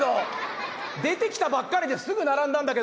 出てきたばっかりですぐ並んだんだけどこいつ。